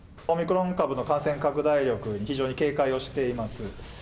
オミクロン株の感染拡大力、非常に警戒をしています。